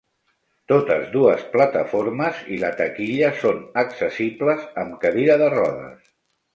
Totes dues plataformes i la taquilla són accessibles amb cadira de rodes.